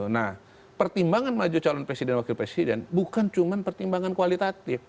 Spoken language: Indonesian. nah pertimbangan maju calon presiden wakil presiden bukan cuma pertimbangan kualitatif